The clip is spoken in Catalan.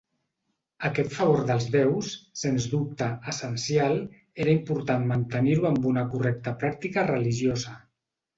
Aquest favor dels déus, sens dubte, essencial, era important mantenir-ho amb una correcta pràctica religiosa.